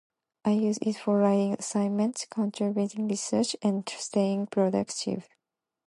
I use it for writing assignments, conducting research, and staying productive.